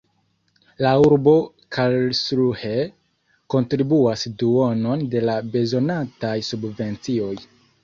La urbo Karlsruhe kontribuas duonon de la bezonataj subvencioj.